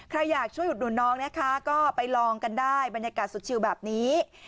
ใครอยากช่วยอุดหนุนน้องนะคะก็ไปลองกันได้บรรยากาศสุดชิวแบบนี้